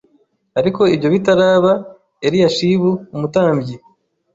Ariko ibyo bitaraba Eliyashibu umutambyi